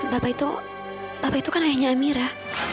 papa itu papa itu kan ayahnya amira